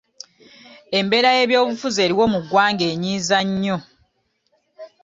Embeera y'ebyobufuzi eriwo mu ggwanga enyiiza nnyo.